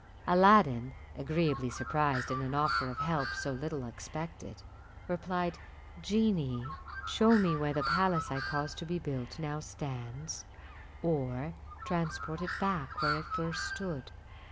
Aladdin, agreeably surprised at an offer of help so little expected, replied, "Genie, show me where the palace I caused to be built now stands, or transport it back where it first stood."